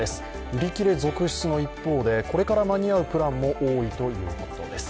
売り切れ続出の一方でこれから間に合うプランも多いということです。